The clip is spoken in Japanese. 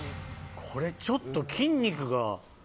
これちょっと筋肉が。